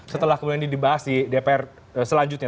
setelah kemudian ini dibahas di dpr selanjutnya